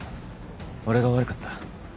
俺が悪かった。